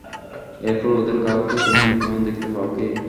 এরপর ওদের কাউকে তুমি বিদ্যমান দেখতে পাও কি?